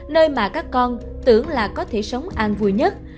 nơi mà các con tưởng là có thể sống an vui nhất